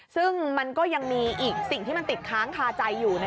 ซึ่งมันก็ยังมีอีกสิ่งที่มันติดค้างคาใจอยู่